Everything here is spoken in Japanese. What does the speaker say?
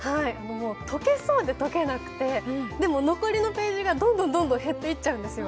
解けそうで解けなくてでも残りのページがどんどんどんどん減っていっちゃうんですよ。